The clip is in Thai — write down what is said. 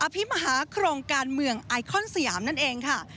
พี่มหาโครงการเมืองไอคอนสยามนั่นเองค่ะ